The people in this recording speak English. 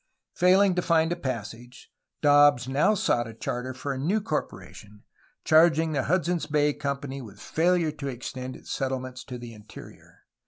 Failing to find a passage, Dobbs now sought a charter for a new corporation, charging the Hudson's Bay Company with failure to extend its settlements to the interior.